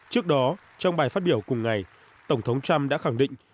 trước đó trong bài phát biểu cùng ngày tổng thống trump đã khẳng định